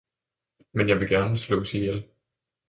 Men jeg vil gerne slås ihjel.